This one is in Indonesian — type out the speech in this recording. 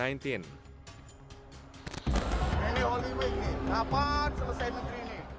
ini holy wings apa selesai mitri ini